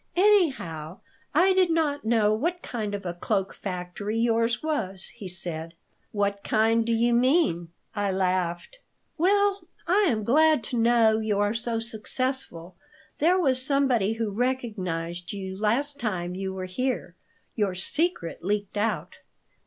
Anyhow, I did not know what kind of a cloak factory yours was," he said "What kind do you mean?" I laughed. "Well, I am glad to know you are so successful. There was somebody who recognized you last time you were here. Your secret leaked out."